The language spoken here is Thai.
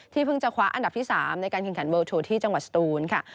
เพิ่งจะคว้าอันดับที่๓ในการแข่งขันเลิลทูที่จังหวัดสตูนค่ะ